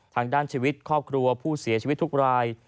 ทางด้านชีวิตครอบครัวผู้เสียชีวิตทุกราย